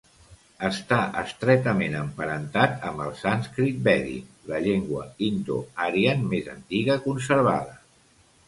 Està estretament emparentat amb el sànscrit vèdic, la llengua Indo-Aryan més antiga conservada.